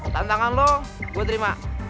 tantangan lo gue terima